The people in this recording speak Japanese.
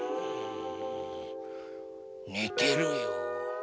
ねてるよ。